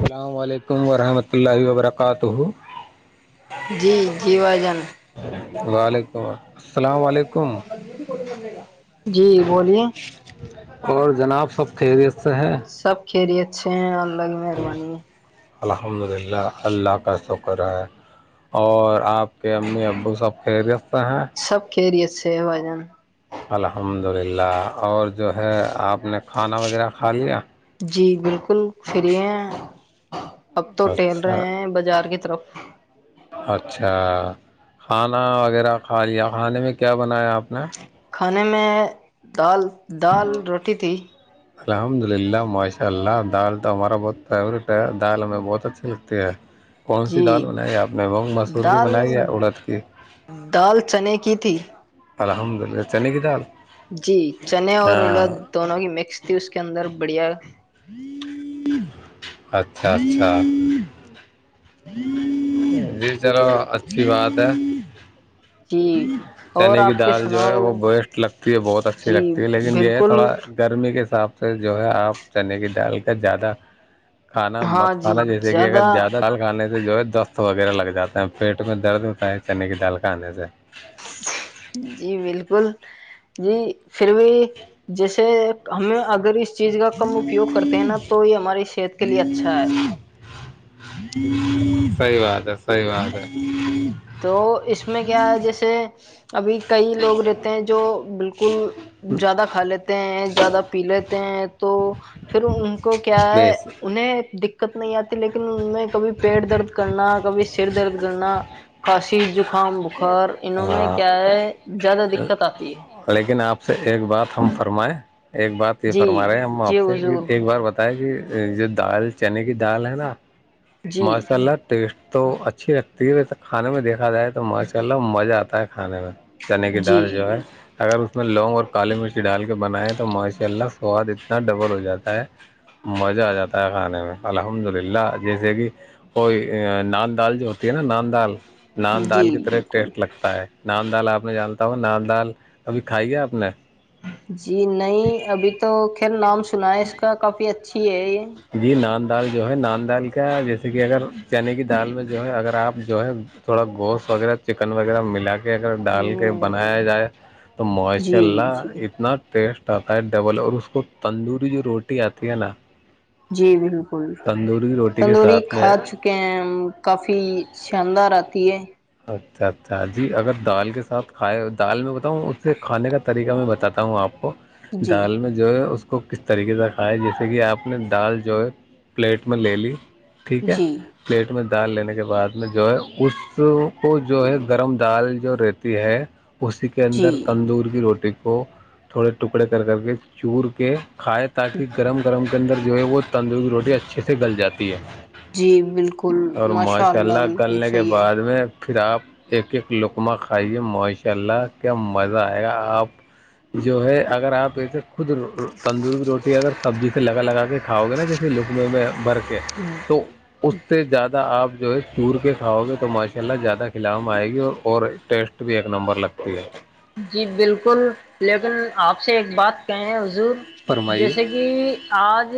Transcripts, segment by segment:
اللام علیکم لیکم وورحمۃ اللہ وبرکاتہ جی جی ب جان وعلیکم السلام علیکم جی بولیے اور جناب سب کھیریے سب کھی رہیے اچھ گ مہربانی ہے الحمد للہ اللہ کا شکر ہے اور آپ کے امی ابو سب خریتے ہیں چھ وجن [unintelligible] الحمد للہ اور جو ہے آپ نے کھانا وغیرہ کھا لیا جی بالکل فری ہیں اب تو ٹہل اچھا رہے ہیں بازار کی طرف اچھا کھانا وغیرہ کھا لیا کھانے میں کیا بنایا آپ [unintelligible] کھانے میں دال دال روٹی تھی الحمد للہ ماشاء اللہ دال تو ہمارا بہت فیوریٹ ہے دال ہمیں بہت اچھی لگتی ہے کون سی جی دال بنائی ہے آپ نے مونگ مسور کی دال بنائی ہے اڑد کی دال چنے کی تھی الحمد للہ چین کی دال جی چنے اور ہاں الد دونوں کی مکس تھی اس کے اندر بڑھیا [unintelligible] اچھا اچھا جی چلو اچھی بات ہے جی اور چنے کی آپ کے دال جو ہے سناؤ وہ وسٹ لگتی ہے بہت اچھی جی لگتی ہے لیکن یہ ہے بالکل تھوڑا گرمی کے حساب سے سے جو ہے آپ چنے کی ڈال کا زیادہ کھانا ہاں مت جی کھانا جیسے کہ اگر زیادہ زیادہال کھانے سے جو ہے دست وغیرہ لگ جاتا ہے پیٹ میں درد ہوتا ہے چنے کی دال کا آنے سے ا جی بالکل جی پھر بھی جیسے ہمیں اگر اس چیز کا کم اپیوگ کرتے ہیں نا تو یہ ہماری صحت کے لیے اچھا ہے سی بات ہے سی بات ہے تو اس میں کیا ہے جیسے ابھی کئی لوگ رہتے ہیں جو بالک بالکل زیادہ کھا لیتے ہیں زیادہ پی لیتے ہیں تو پھر ان کو کیا ہے بیس انہیں دقت نہیں آتی لیکن ان میں کبھی پیٹ درد کرنا کبھی سر درد کرنا خاسی جو زکام بخار انہوں نے میں ہاں کیا ہے زیادہ دقت آتی ہے لیکن آپ سے ایک بات ہم فرمائیں ایک بات یہ جی فرما رہے ہیں ہم آپ جی سے کہ حضور ایک بار بتائے کہ جو دال چنے کی دال ہے نا جی ماشاء اللہ ٹیسٹ تو اچھی لگتی ہے ویسے کھانے میں دیکھا جائے تو ماشاء اللہ مزہ آتا ہے کھانے میں چنے کی دال جو جی ہے اگر اس میں لونگ اور کالی مرچی ڈال کے بنائے تو ماشاء اللہ سواد اتنا ڈبل ہو جاتا ہے مزہ آ جاتا ہے کھانے میں الحمد للہ جیسے کی کوئی نان دال جو ہوتی ہے نا نان دال نان دال جی کی طرح بالکل ٹیسٹ لگتا ہے نان دال آپ نے جانتا ہوں نان دال کبھی کھائی ہے آپ نے جی نہیں ابھی تو خیر نام سنا ہے اس کا کافی اچھی ہے یہ جی نان دال جو ہے نان دال کیا ہے جیسے کہ اگر چنے کی دال میں جو ہے اگر آپ جو ہے تھوڑا گوشت وغیرہ چکن وغیرہ ملا کے اگر ڈال کے ہ بنایا جائے تو ماشاء جی جی اللہ اتنا ٹیسٹ ڈبل اور اس کو تندوری جو روٹی آتی ہے نا جی جی تندوری روٹی کے تندوری ساتھ کھا میں چکے ہیں کافی شاندار ہوتی ہے اچھا اچھا جی اگر دال کے ساتھ کھائے دال میں بتاؤں اسے کھانے کا طریقہ میں بتاتا ہوں آپ کو جی دال میں جو ہے اس کو کس طریقے سے کھائے جیسے کہ آپ نے دال جو ہے پلیٹ میں لے لی ٹھیک ہے جی پلیٹ میں دال لینے کے بعد میں جو ہے اس وہ جو ہے گرم دال جو رہتی ہے اسی کے جی اندر تندور کی روٹی کو تھوڑے ٹکڑے کر کر کے چور کے کھائے تاکہ گرم گرم کے اندر جو ہے وہ تندوری روٹی اچھے سے گل جاتی ہے جی بالکل اور ماشاء اللہ بالکل گلنے کے صحی ہے بعد میں پھر آپ ایک ایک لقمہ کھائیے ماشاء اللہ کیا مزہ آئے گا آپ جو ہے اگر آپ ایسے خود تندوری کی روٹی اگر سبزی سے لگا لگا کے کھاؤ گے نا لکم میں برک تو اس سے زیادہ آپ جو ہے سور کے کھاؤ گے تو م کھیلا زیادہ کھلاو میں آئے گی اور ٹیسٹ بھی ایک نمبر لگتی ہے جی بالکل لیکن آپ سے ایک بات کہ ہیں حضور فرمائیے جیسے کہ آج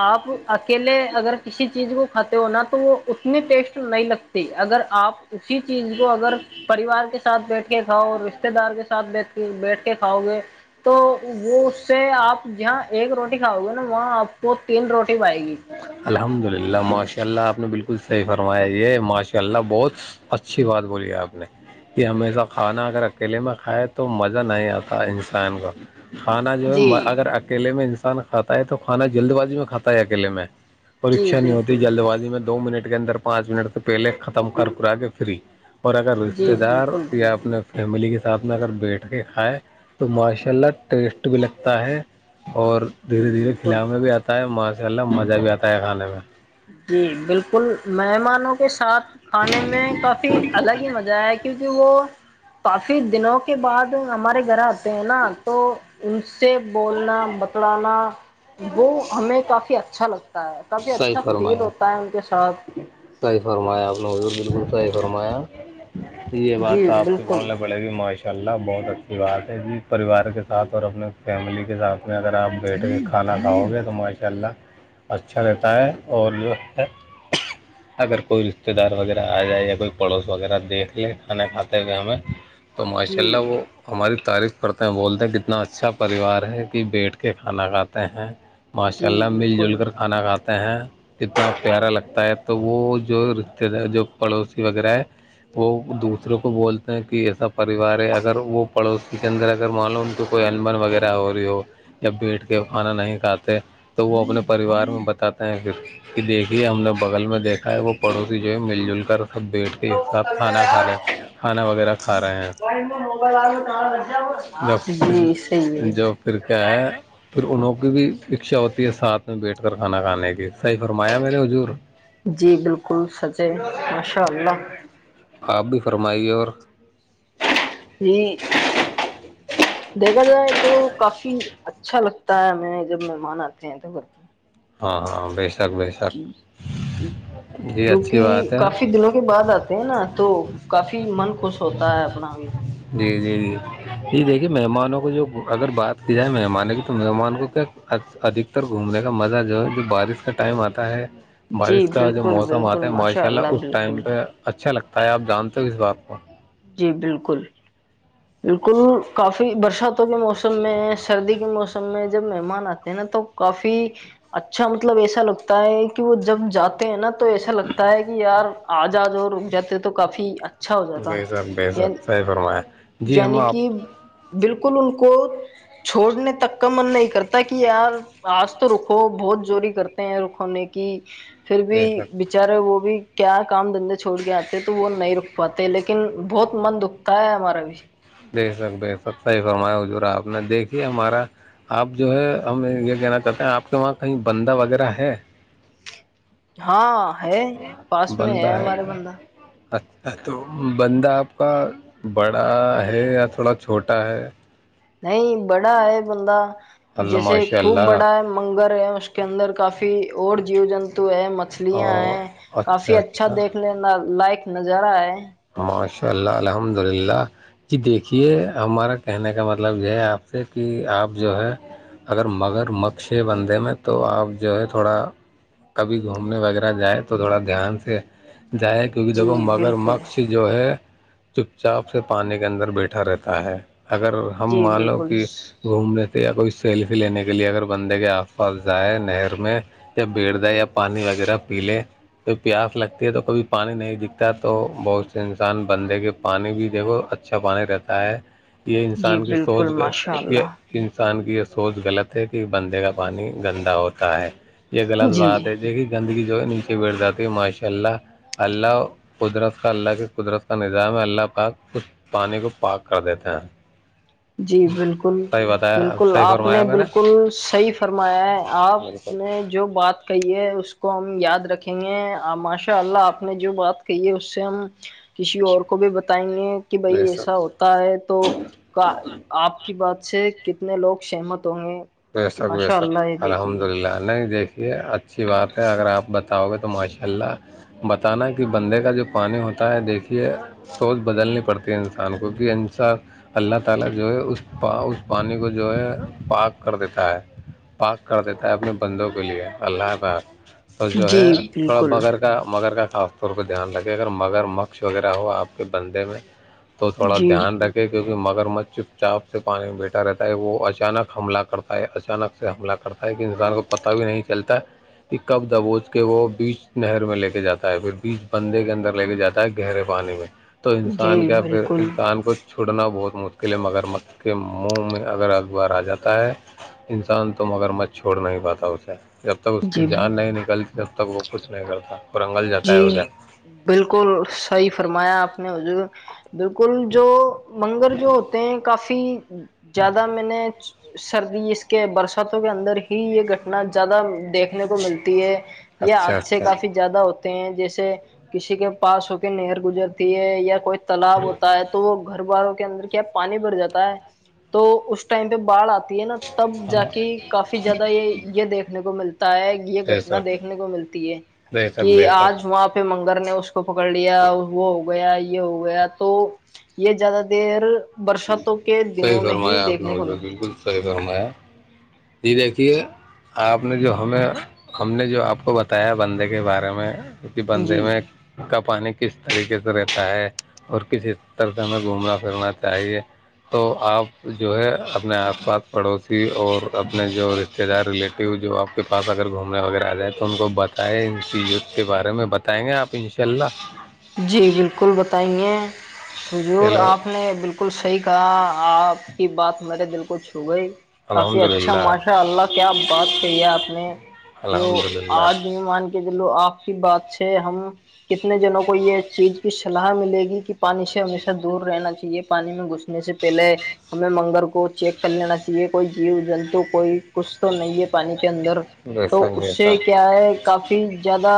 آپ اکیلے اگر کسی چیز کو کھاتے ہو نا تو وہ اتنی ٹیسٹ نہیں لگتی اگر آپ اسی چیز کو اگر پریوار کے سات بیٹ کھاؤ اور ساتھ بیٹھ بیٹھ کے کھاؤ گے تو وہ اس سے آپ جہاں ایک روٹی کھاؤ گے نا وہاں آپ کو تین روٹی پائے گی اللہ ماشاء اللہ آپ نے بالکل صحیح فرمایا یہ ماشاء اللہ بہت اچھی بات بولی آپ نے یہ ہمیشہ کھانا اگر اکیلے میں کھائے تو مزہ نہیں آتا انسان کا کھانا جو ہے جی اگر اکیلے میں انسان کھا ہے تو کانا جلد بازی میں کھا ہے اکیلے میں جی پرکشا نہیں ہوتی بالکل جلد بازی میں دو منٹ کے اندر پانچ منٹ تو پہلے ختم کر کرا کے فری اور اگر رشتے جی دار بالکل بالکل یا اپنے فیملی کے ساتھ میں اگر بیٹھ کے کھائے تو ماشاء اللہ ٹیسٹ بھی لگتا ہے اور جی دھیرے دھیرے بالکل کھلے بھی آتا ہے ماسک ال الب مزہ بھی آتا ہے کھانے میں جی بالکل مہمانوں کے ساتھ کھانے میں کافی الگ ہی مزہ ہے کہ کیونکہ وہ کافی دنوں کے بعد ہمارے گھر آتے ہیں نا تو ان سے بولنا بتڑانا وہ ہمیں کافی اچھا لگتا ہے کافی صحیح اچا فیل ہوتا ہے ان کے ساتھ اب [unintelligible] صحی فرمایا آپ بکل صحی فرمایا یہ بات جی تو آپ کے بالکل بولنا نے بڑے بھی معائش ماشاء اللہ بہت اچھی بات ہے جی پریوار کے ساتھ اور اپنے فیملی کے ساتھ میں اگر آپ بیٹھ کے کھانا کھاؤ گے تو ماشاء اللہ اچھا رہتا ہے اور جو ہے اگر کوئی رشتے دار وغیرہ آ جائے یا کوئی پڑوس وغیرہ دیکھ لے کھانا کھاتے ہوئے ہمیں تو ماشاء اللہ جی وہ ہماری تاریخ کرتے ہیں بولتے ہیں کتنا اچھا پریوار ہے کہ بیٹھ کے کھانا کھاتے ہیں ماشاء جی اللہ مل جل بالکل کر کھانا کھاتے ہیں کتنا پیارا لگتا ہے تو وہ جو رشتے دار جو پڑوسی وغیرہ ہے وہ دوسروں کو بولتے کہ ایسا پریوار ہے اگر وہ پڑوسی کے اندر اگر معلوم تو کوئی انمن وغیرہ ہو رہی ہو یا بیٹھ کے کھانا نہیں کھاتے تو وہ اپنے پریوار میں بتاتے ہیں پھر کہ دیکھیے ہم نے بغل میں دیکھا ہے وہ پڑوسی جو ہے مل جل کر سب بیٹھ کے ایک ساتھ کھانا کھا لے کھانا وغیرہ کھا رہے ہیں جب جی صحیح پھر جوب پھر کیا ہے پھر انوں کی بھی اچھا ہوتی ہے ساتھ اس میں بیٹھ کرھانا کھانے کی صحیح فرمایا میرے حضور جی بالکل سچے ماشاء اللہ آپ بھی فرمائیے اور جی دیکھا جائے تو کافی اچھا لگتا ہے ہمیں جب مہمان آتے ہیں تو گھر پہ ہاں ہاں ہاں بیس جی جی اچھی کیونکہ بات ہے کافی دنوں کے بعد آتے ہیں نا تو کافی من خوش ہوتا ہے اپنا بھی جی جی جی جی دیکھیے مہمانوں کو جو اگر بات کی جائے مہمانوں کی تو مہمان کو کیا ادھکتر گھومنے کا مزہ جو ہے جو بارش کا ٹائم آتا ہے جی بارش کا جو بالکل موسم بالکل آتا ہے ماشاء اللہ اس ٹائم بالکل پہ اچھا لگتا ہے بتائی آپ جانتے ہو اس بات کو جی بالکل بالکل کافی برساتوں کے موسم میں سردی کے موسم میں جب مہمان آتے ہیں نا تو کافی اچھا مطلب ایسا لگتا ہے کہ وہ جب جاتے ہیں نا تو ایسا لگتا ہے کہ یار آج آج اور رک جاتے تو کافی ا ب سر ب سر صحی فرمایا جی ہم یعنی آپ کہ بالکل ان کو چھوڑنے تک کا من نہیں کرتا تاک آ آج تو رکو بہت زوری کرتے ہیں رکونے کی پھر بھی بے شک بچارے وہ بھی کیا کام دھندے چھوڑ کے آتے تو وہ نہیں رک پاتے لیکن بہت من دکھتا ہے ہمارا بھی بہار کی اوج عا رہی ہے دیک سک بھائی سب صحی فرمایا ہو ج رہا آپ نے دیکھیے ہمارا آپ جو ہے ہم یہ کہنا چاہتے ہیں آپ کے وہاں کہیں بندہ وغیرہ ہے ہاں ہے پاس میں ہے ہمارا بندہ اچھا تو بندہ آپ کا بڑا ہے یا تھوڑا چھوٹا ہے نہیں بڑا ہے بندہ اللہ جیسے ماشاء خوب اللہ بڑا ہے منگر ہے اس کے اندر کافی ف اورڑ جیو جنتو ایم مچھلیاں ہیں کافی اچھا دیکھ لینا لائک نظارہ ہے ماشاء اللہ الحمد للہ جی دیکھیے ہمارا کہنے کا مطلب یہ ہے آپ سے کہ آپ جو ہے اگر مگر مقشے بندے میں تو آپ جو ہے تھوڑا کبھی گھومنے وغیرہ جائیں تو تھوڑا دھیان سے جائے کیونکہ دیکھو جی مگر بالکل مک وہ چپ چاپ سے پانی کے اندر بیٹھا رہتا ہے اگر ہم جی مانو بالکل کہ گھومنے تو یا کوئی سیلفی لینے کے لیے اگر بندے کے آس پاس جائائے نہر میں یا بیٹ دیں یا پانی وغیرہ پی لیں تو پیاس لگتی ہے تو کبھی پانی نہیں دکھتا تو بہت سے انسان بندھے کے پانی بھی دیکھو اچھا پانی رہتا ہے یہ جی انسان کی بالکل سوچ ماشاء گ یہ اللہ انسان کی یہ سوچ غلط ہے کہ بندے کا پانی گندا ہوتا ہے یہ غلط جی بات ہے یہ کہ گندگی جو نیچے بیٹھ جاتے ماشاء اللہ اللہ قدرت اس کا اللہ کی قدرت کا نظام ہے اللہ پاک خھ پانی کو پاک کر دیتے ہیں جی بالکل صحیح بتایا بالکل صحیح آپ نے فرمایا میں بالکل صحیح فرمایا ہے آپ بالکل نے جو بات کہی ہے اس کو ہم یاد رکھیں گے ماشاء اللہ آپ نے جو بات کہی ہے اس سے ہم کسی اور کو بھی بتائیں گے کہ بھائی جی سر ایسا ہوتا ہے تو آپ کی بات سے کتنے لوگ سہمت ہوں گے وسک ماشاء ویسک اللہ یہ الحمد دیکھیے للہ نہیں دیک کہ اچھی بات ہے اگر اپ بتاؤ گے تو ماشاءاللہ بتانا کہ بندے کا جو پانی ہوتا ہے دیکھیے سوز بدلنی پڑتی ہے انسان کو بھی انسان اللہ تعالی جو ہے اس پانی کو جو ہے پاک کر دیتا ہے پاک کر دیتا ہے اپنے بندوں کے لیے اللہ بار اور جو ہے جی تھوڑا بالکل بغیر کا مگر کا خاص طور پہ دھیان رکھے اگر مگر مقش وغیرہ ہو آپ کے بندے میں تو تھوڑا جی دھیان رکھے کیکہ مگر مچ چپ چاپ سے پانی میں بیٹھا رہتا ہے وہ اچانک حملہ کر کرتا ہے اچانک سے حملہ کرتا ہے کہ انسان کو پتا بھی نہیں چلتا ہے کہ کب دبوچ کے وہ بیچ نہر میں لے کے جاتا ہے پھر بیچ بندے کے اندر لے کے جاتا ہے گہرے پانی میں تو جی انسان کیا پھر بالکل انسان کو چھوڑنا بہت مشکل ہے مگر مک کے منہ میں اگر اخبار آ جاتا ہے انسان تو مگر مت چھوڑ نہیں پاتا اسے جب تک اس کی جی جان نہیں نکلتی جب تک وہ کچھ نہیں کرتا اور انگل جاتا ہے جی اسے بالکل صحیح فرمایا آپ نے حض بالکل جو منگر جو ہوتے ہیں کافی پ [unintelligible] زیادہ میں نے سردی اس کے برساتوں کے اندر ہی یہ گھٹنا زیادہ دیکھنے کو ملتی ہے یہ آج اچھا سے اچھا کافی ہوتے ہیں جیسے کسی کے پاس ہو کے نہر گزرتی ہے یا کوئی تالاب ہوتا ہے تو وہ گھر والوں کے اندر کیا پانی بھر جاتا ہے تو اس ٹائم پہ باھ آتا نا تب ہاں جا کے کافی زیادہ یہ یہ دیکھنے کو ملتا ہے یہ گھٹنا ایسا دیکھنے کو ملتی ہے بے شک کہ بے شک آج وہاں پہ لنگر نے اس کو پکڑ لیا وہ ہو گیا یہ ہو گیا تو یہ زیادہ دیر برساتوں کے صحیح دنوں میں ہی فرمایا آپ نے دیکھنے کو حضور ملتی ہے بالکل صحیح فرمایا جی دیکھیے آپ نے جو ہمیں ہم نے جو آپ کو بتایا بندے کے بارے میں بندے جی میں کا پانی کس طریقے سے رہتا ہے اور کس طرح سے ہمیں گھومنا پھرنا چاہیے تو آپ جو ہے اپنے آس پاس پڑوسی اور اپنے جو رشتے دار ریلیٹیو جو آپ کے پاس اگر گھومنے وغیرہ آ جائیں تو ان کو بتائیں ان چیت کے بارے میں بتائیں گے آپ انشاء اللہ جی بالکل بتائ گے سجور چلو آپ نے بالکل صٹھیک کہا آپ کی بات میرے دل کو چھو گئی کافی الحمد اچھا للہ ماشاء اللہ کیا بات کہی ہے آپ نے جو الحمد للہ آج مان کے جو لوگ آپ کی بات سے ہم کتنے جنوں کو کوئی یہ چیز کی سلاح ملے گی کہ پانی سے ہمیشہ دور رہنا چاہیے پانی میں گغس سے پہلے ہمیں منگل کو چیک کر لینا چاہیے کوئی جیو جنتو کوئی کچھ تو نہیں ہے پانی کے کے اندر بیسک تو اس بیسک سے کیا ہے کافی زیادہ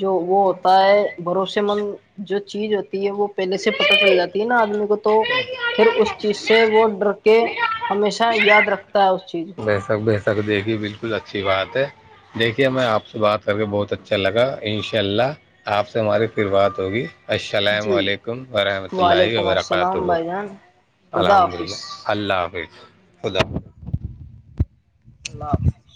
جو وہ ائے بھروسے مند جو چیز ہوتی ہے وہ پہلے سے پتا چل جاتی ہے نا آدمی کو تو پھر اس چیز سے وہ ڈر کہ ہمیشہ یاد رکھتے تا اس چیز کو تک دیکھیے بالکل اچھی بات ہے دیکھیے میں آپ سے بات کر کے بہت اچھا لگا ان شاء اللہ آپ سے ہماری پھر بات ہوگی السلام جی علیکم ورحمۃ اللہ وعلیکم وبرکاتہ السلام بھائی جان خدا الحمد حافظ اللہ اللہ حافظ خدا حاظ اللہ حافظ